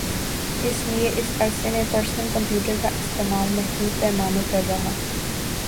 اس لئے اس عرصے میں پرسنل کمپیوٹر کا استعمال محدود پیمانے پر رہا